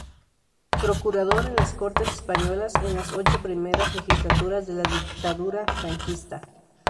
Procurador en las Cortes Españolas en las ocho primeras legislaturas de la dictadura franquista.